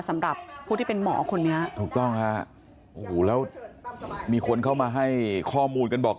สำหรับผู้ที่เป็นหมอคนนี้ถูกต้องฮะโอ้โหแล้วมีคนเข้ามาให้ข้อมูลกันบอก